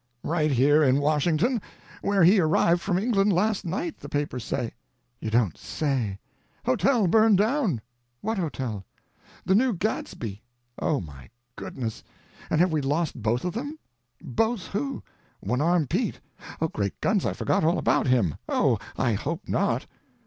"Right here in Washington; where he arrived from England last night, the papers say." "You don't say!" "Hotel burned down." "What hotel?" "The New Gadsby!" "Oh, my goodness! And have we lost both of them?" "Both who?" "One Arm Pete." "Oh, great guns, I forgot all about him. Oh, I hope not."